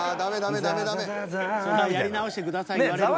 やり直してください言われるわ。